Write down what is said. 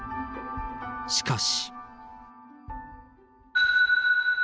しかし。